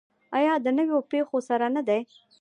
آیا د نویو پیښو سره نه دی؟